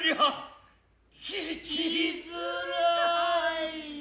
ききづらい。